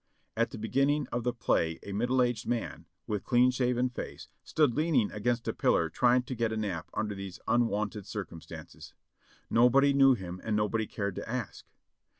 At the beginning of the play a middle aged man, with clean shaven face, stood leaning against a pillar trying to get a nap under these unwonted circumstances. Nolxody knew him and nobody cared to ask.